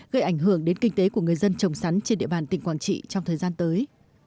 gây ảnh hưởng đến kinh tế của người dân trồng sắn trên địa bàn tỉnh quảng trị trong thời gian tới